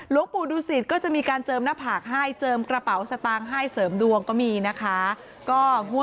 หลวงปู่ดูสิตก็จะมีการเจิมหน้าผากให้เจิมกระเป๋าสตางค์ให้เสริมดวงก็มีนะคะ